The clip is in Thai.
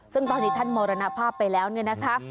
ซึ่งตอนนี้ท่านมรณภาพไปแล้วเนี่ยนะคะ